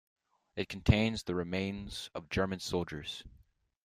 It contains the remains of German soldiers.